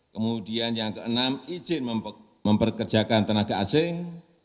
kemudian yang keenam izin memperkerjakan tenaga asing